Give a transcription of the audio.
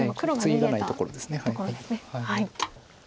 ツギがないところです。